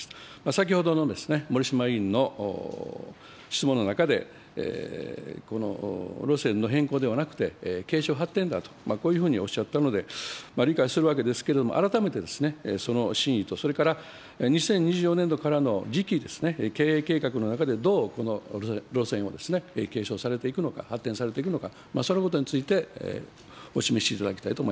先ほどの守島委員の質問の中で、この路線の変更ではなくて、継承発展だと、こういうふうにおっしゃったので、理解するわけですけれども、改めてその真意と、それから２０２４年度からの次期経営計画の中で、どうこの路線を継承されていくのか、発展されていくのか、そのことについてお示しいただきたいと思います。